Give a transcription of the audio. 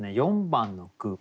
４番の句。